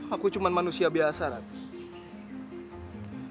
aku cuma manusia biasa